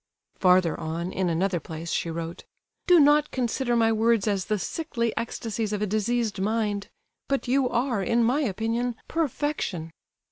Farther on, in another place, she wrote: "Do not consider my words as the sickly ecstasies of a diseased mind, but you are, in my opinion—perfection!